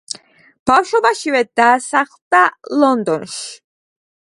ბავშვობაშივე დასახლდა ლონდონში.